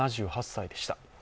７８歳でした。